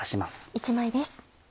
１枚です。